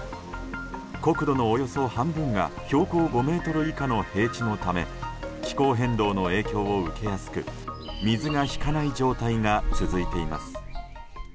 国土のおよそ半分が標高５ｍ以下の平地のため気候変動の影響を受けやすく水が引かない状態が続いています。